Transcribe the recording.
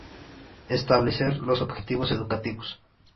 Establecer los objetivos educativos.